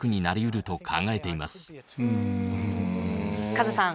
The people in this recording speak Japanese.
カズさん